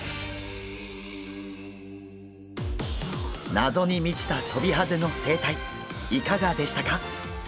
謎に満ちたトビハゼの生態いかがでしたか？